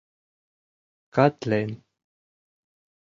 — Катлен...